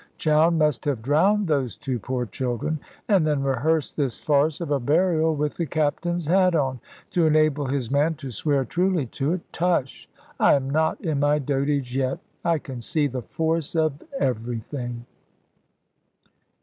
Chowne must have drowned those two poor children, and then rehearsed this farce of a burial with the Captain's hat on, to enable his man to swear truly to it. Tush, I am not in my dotage yet. I can see the force of everything."